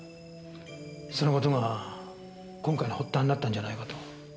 その事が今回の発端になったんじゃないかと。